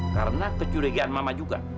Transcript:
karena kecurigaan mama juga